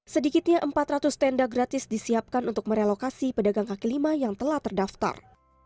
sedikitnya empat ratus tenda gratis disiapkan untuk merelokasi pedagang kaki lima yang telah terdaftar